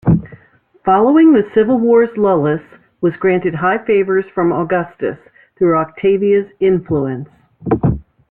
Following the civil wars Iullus was granted high favours from Augustus, through Octavia's influence.